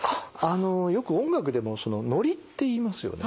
あのよく音楽でもノリっていいますよね。